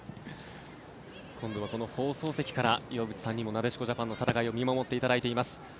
今度は放送席から岩渕さんにもなでしこジャパンの戦いを見守っていただいています。